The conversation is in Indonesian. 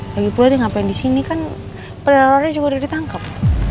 lagipula dia ngapain disini kan penerorannya juga udah ditangkap